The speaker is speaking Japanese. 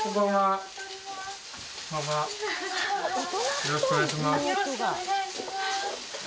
よろしくお願いします。